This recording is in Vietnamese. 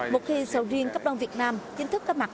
một khi sầu riêng cấp đông việt nam chính thức có mặt